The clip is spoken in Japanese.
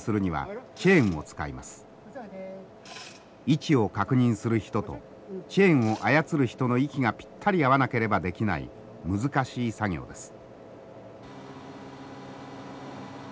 位置を確認する人とチェーンを操る人の息がピッタリ合わなければできない難しい作業です。